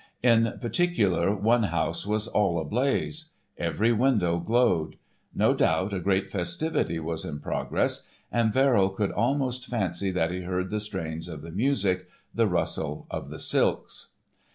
In particular one house was all ablaze. Every window glowed. No doubt a great festivity was in progress and Verrill could almost fancy that he heard the strains of the music, the rustle of the silks.